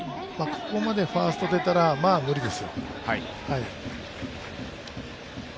ここまでファースト出たら、まぁ、無理ですよ。